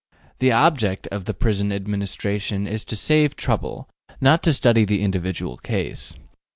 The object of the prison administration is to save trouble, not to study the individual case.